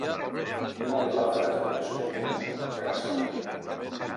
Quina és la frase més comuna que has sentit?